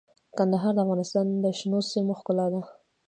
کندهار د افغانستان د شنو سیمو ښکلا ده.